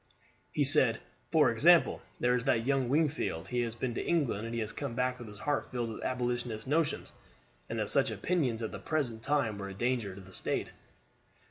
"He said: 'For example, there is that young Wingfield. He has been to England, and has come back with his heart filled with Abolitionist notions;' and that such opinions at the present time were a danger to the State.